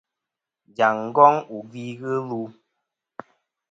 Jaŋ ngong wù gvi ghɨ lu.